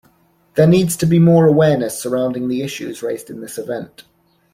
There needs to be more awareness surrounding the issues raised in this event.